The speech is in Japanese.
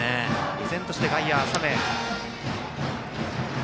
依然として外野は浅め。